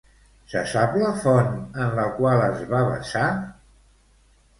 Se sap la font en la qual es va basar?